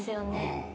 うん。